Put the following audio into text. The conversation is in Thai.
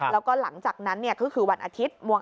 แล้วก็หลังจากนั้นก็คือวันอาทิตย์